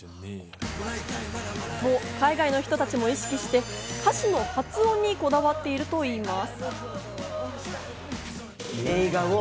海外の人たちを意識して歌詞の発音にこだわっているといいます。